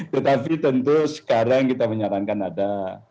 tetapi tentu sekarang kita menyarankan ada